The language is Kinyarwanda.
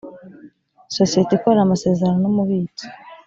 sosiyete ikorana amasezerano n’ umubitsi